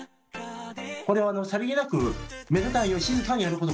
これはさりげなく目立たないよう静かにやること。